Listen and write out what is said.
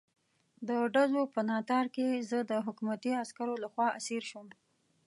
د ډزو په ناتار کې زه د حکومتي عسکرو لخوا اسیر شوم.